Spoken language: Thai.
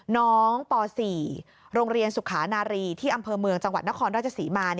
น้องป๔โรงเรียนสุขานารีที่อำเภอเมืองจังหวัดนครราชศรีมา